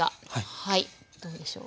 はいどうでしょう？